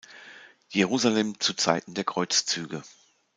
Jerusalem zu Zeiten der Kreuzzüge.